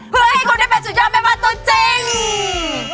เพื่อให้คุณได้เป็นสุดยอดแม่บ้านตัวจริง